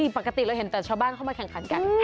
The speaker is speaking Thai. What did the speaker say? ปกติเราเห็นแต่ชาวบ้านเข้ามาแข่งขันกัน